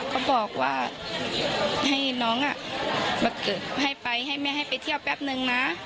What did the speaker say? เขาบอกว่าให้น้องมาเกิดให้ไปให้แม่ให้ไปเที่ยวแป๊บนึงนะ